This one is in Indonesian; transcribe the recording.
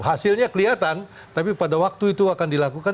hasilnya kelihatan tapi pada waktu itu akan dilakukan